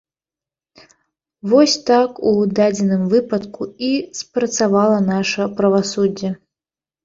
Вось так у дадзеным выпадку і спрацавала наша правасуддзе.